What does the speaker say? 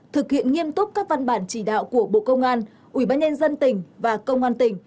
thực hiện nghiêm túc các văn bản chỉ đạo của bộ công an ubnd tỉnh và công an tỉnh